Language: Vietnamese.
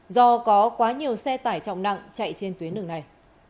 do có quá nhiều xe tải trọng nặng chạy trên tuyến đường này